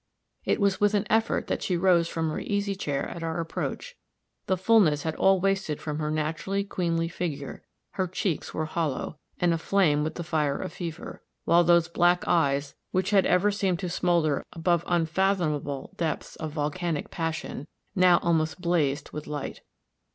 It was with an effort that she rose from her easy chair at our approach; the fullness had all wasted from her naturally queenly figure; her cheeks were hollow, and aflame with the fire of fever; while those black eyes, which had ever seemed to smolder above unfathomable depths of volcanic passion, now almost blazed with light.